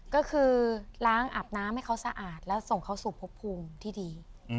ก็คือล้างอาบน้ำให้เขาสะอาดแล้วส่งเขาสู่พบภูมิที่ดี